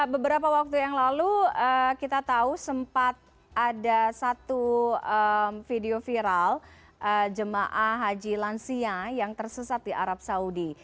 beberapa waktu yang lalu kita tahu sempat ada satu video viral jemaah haji lansia yang tersesat di arab saudi